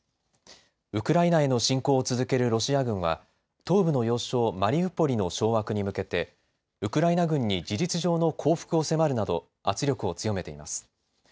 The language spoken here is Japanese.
ウクライナへの侵攻を続けるロシア軍は東部の要衝、マリウポリの掌握に向けてウクライナ軍に事実上の降伏を迫るなど圧力を強めています。